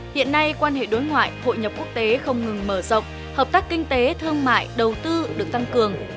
hiện nay quan hệ đối ngoại hội nhập quốc tế không ngừng mở rộng hợp tác kinh tế thương mại đầu tư được tăng cường